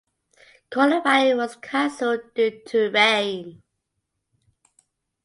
Qualifying was canceled due to rain.